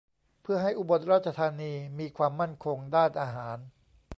เพื่อให้อุบลราชธานีมีความมั่นคงด้านอาหาร